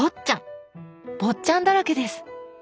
「坊っちゃん」だらけです。